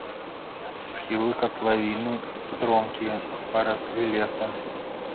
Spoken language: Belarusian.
Схілы катлавіны стромкія, параслі лесам.